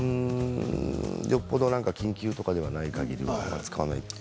よっぽど緊急とかではないという使わないと。